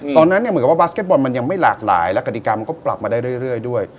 ตอนนั้นเนี่ยเหมือนกับว่าบาสเก็ตบอลมันยังไม่หลากหลายและกฎิกรรมก็ปรับมาได้เรื่อยด้วย